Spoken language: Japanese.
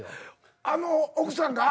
あの奥さんが？